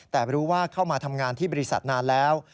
แต่รู้ว่าเข้ามาทำงานที่บริษัทนานแล้ว